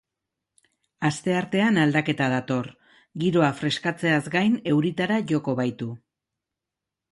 Asteartean aldaketa dator, giroa freskatzeaz gain euritara joko baitu.